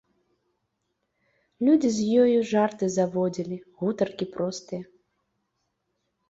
Людзі з ёю жарты заводзілі, гутаркі простыя.